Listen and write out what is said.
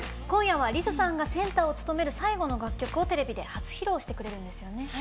今夜は理佐さんがセンターを務める最後の楽曲をテレビで初披露してくれるんですよね。